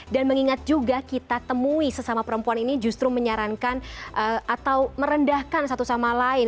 dan mengingat juga kita temui sesama perempuan ini justru menyarankan atau merendahkan satu sama lain